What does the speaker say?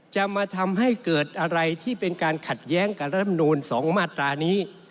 จะมาทำให้เกิดอะไรที่เป็นการขัดแย้งกับรัฐมนูล๒มาตรานี้